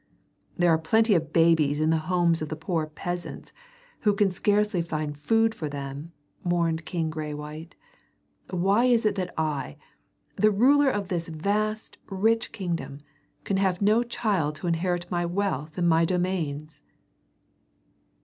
"There are plenty of babies in the homes of the poor peasants who can scarcely find food for them," mourned King Graywhite. "Why is it that I, the ruler of this vast rich kingdom, can have no child to inherit my wealth and my domains?"